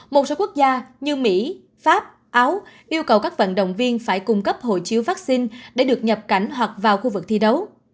một số quốc gia như mỹ pháp áo yêu cầu các vận động viên phải cung cấp hộ chiếu vaccine để được nhập cảnh hoặc vào khu vực thi đấu